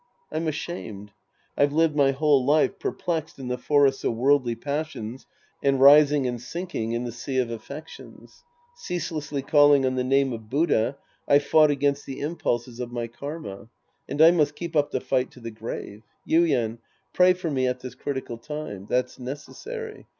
I'm ashamed. I've lived my whole life perplexed in the forests of worldly passions and rising and sinking in the sea of affections. Cease lessly calling on the name of Buddha, I've fought against the impulses of my karma. And I must keep up the fight to the grave. Yuien, pray for me at this critical time. That's necessary.